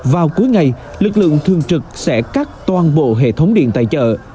vào cuối ngày lực lượng thường trực sẽ cắt toàn bộ hệ thống điện tại chợ